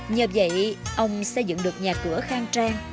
nhờ vậy ông xây dựng được nhà cửa khang trang